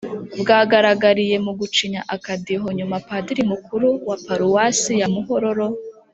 bwagaragariye mu gucinya akadiho nyuma padiri mukuru wa paruwasi ya muhororo